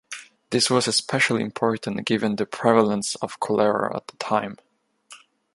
This was especially important given the prevalence of cholera at the time.